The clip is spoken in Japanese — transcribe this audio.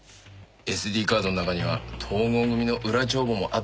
ＳＤカードの中には東剛組の裏帳簿もあったよ。